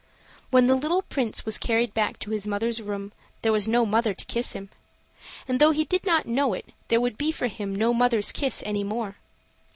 When the little Prince was carried back to his mother's room, there was no mother to kiss him. And, though he did not know it, there would be for him no mother's kiss any more.